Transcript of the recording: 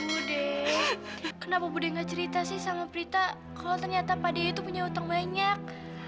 budi kenapa budi tidak cerita dengan prita kalau pak dekmu punya hutang banyak